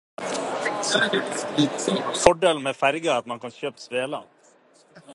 Fordelen med ferger er at man kan kjøpe sveler.